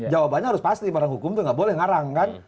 jawabannya harus pasti orang hukum itu nggak boleh ngarang kan